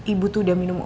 ibu tuh udah minum obat